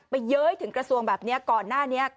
เย้ยถึงกระทรวงแบบนี้ก่อนหน้านี้